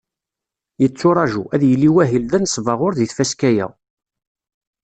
Yetturaǧu, ad yili wahil d anesbaɣur deg tfaska-a.